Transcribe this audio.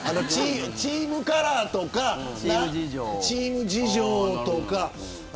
チームカラーとかチーム事情とか。